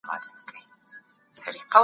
نوري شيون بشيراحمد بشارت